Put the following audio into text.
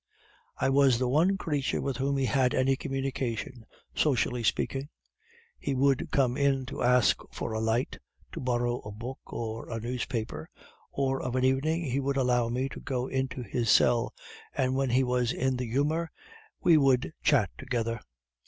"I was the one creature with whom he had any communication, socially speaking; he would come in to ask for a light, to borrow a book or a newspaper, and of an evening he would allow me to go into his cell, and when he was in the humor we would chat together.